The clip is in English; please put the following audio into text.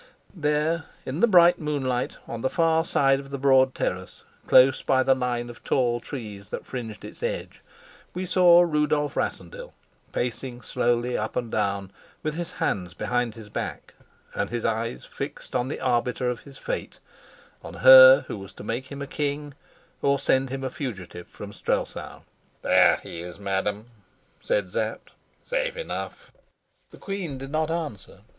There, in the bright moonlight, on the far side of the broad terrace, close by the line of tall trees that fringed its edge, we saw Rudolf Rassendyll pacing slowly up and down, with his hands behind his back and his eyes fixed on the arbiter of his fate, on her who was to make him a king or send him a fugitive from Strelsau. "There he is, madam," said Sapt. "Safe enough!" The queen did not answer.